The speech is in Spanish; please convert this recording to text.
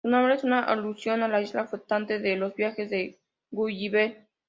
Su nombre es una alusión a la isla flotante de Los viajes de Gulliver.